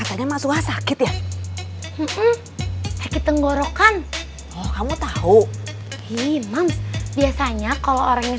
ayolah keras mode dilaporkan